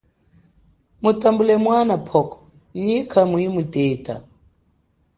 Mutambule mwana pwoko, nyikha muyimuteta.